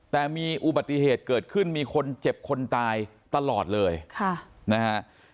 แต่มีอุบัติเหตุเกิดขึ้นมีคนเจ็บคนตายตลอดเลยค่ะนะฮะ